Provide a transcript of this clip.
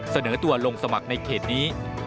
เสนอตัวลงสมัครในเขตนี้